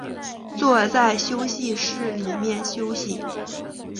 坐在休息室里面休息